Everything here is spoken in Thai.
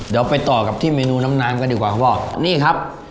เดี๋ยวไปต่อกับที่เมนูน้ำน้ำกันดีกว่าเขาบอกนี่ครับ